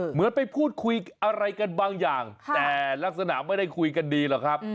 เหมือนไปพูดคุยอะไรกันบางอย่างแต่ลักษณะไม่ได้คุยกันดีหรอกครับ